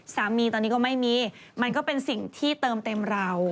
สามีตอนนี้ก็ไม่มีมันก็เป็นสิ่งที่เติมเต็มเรา